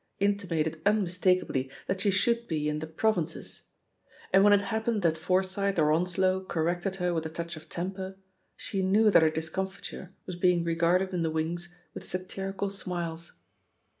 intimated unmistakably that she should be in the prov ' «60 THE POSITION OF PEGGY HARPER inces; and when it happened that Forsyth or Onslow corrected her with a touch of temper, she knew that her discomfiture was being re garded in the wings with satirical smiles.